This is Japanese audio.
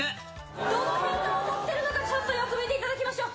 どのへんが踊ってるのか、ちょっとよく見ていただきましょう。